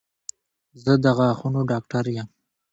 زه د غاښونو ډاکټر یم